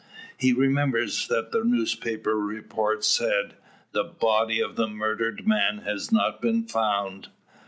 He remembers that the newspaper report said: "the body of the murdered man has not been found."